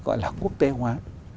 gọi là quốc tế hóa